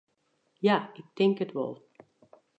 Ja, ik tink it wol.